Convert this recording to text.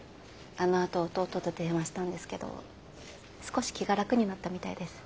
あのあと弟と電話したんですけど少し気が楽になったみたいです。